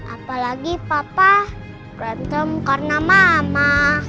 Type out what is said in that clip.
apalagi papa berantem karena mama